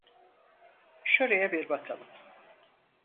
Şuraya bir bakalım.